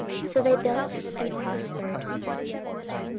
So they built and prospered.